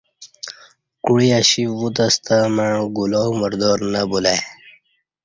کوعی اشی وُتہ ستہ مع گُلا مردار نہ بلہ ای